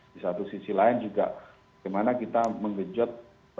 di satu sisi lain juga gimana kita mengejot